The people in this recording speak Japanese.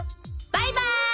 バイバイ！